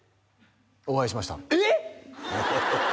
お会いしましたえっ！？